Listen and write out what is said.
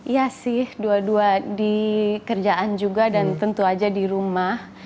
iya sih dua dua di kerjaan juga dan tentu aja di rumah